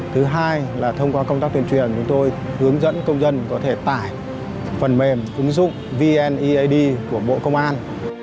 thứ hai là thông qua công tác tuyên truyền chúng tôi hướng dẫn công dân có thể tải phần mềm ứng dụng vneid của bộ công an